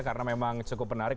karena memang cukup menarik